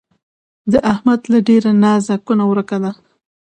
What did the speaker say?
د احمد له ډېره نازه کونه ورکه ده.